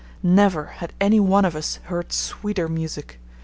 Never had any one of us heard sweeter music.